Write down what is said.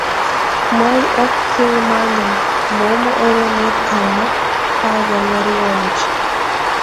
Мый ок кӱл, маньымМом ойлынет гала, Павел Ларионыч?